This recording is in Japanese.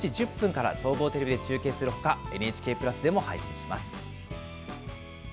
試合は、きょう午後４時１０分から総合テレビで中継するほか、ＮＨＫプラスでも配信します。